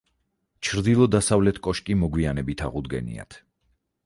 ჩრდილო-დასავლეთ კოშკი მოგვიანებით აღუდგენიათ.